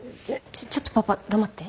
ちょっとパパ黙って。